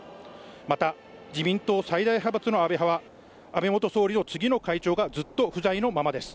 また、自民党最大派閥の安倍派は、安倍元総理の次の会長がずっと不在のままです。